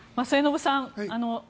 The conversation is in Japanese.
末延さん